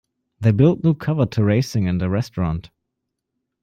They built new covered terracing and a restaurant.